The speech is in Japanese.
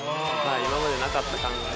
今までなかった考え。